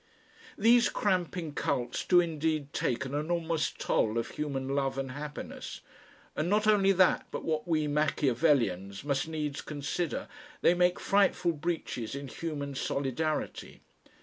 These cramping cults do indeed take an enormous toll of human love and happiness, and not only that but what we Machiavellians must needs consider, they make frightful breaches in human solidarity.